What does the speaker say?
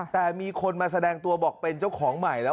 แต่มีคนมาแสดงตัวบอกเป็นเจ้าของใหม่แล้ว